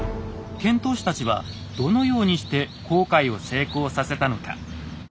遣唐使たちはどのようにして航海を成功させたのか。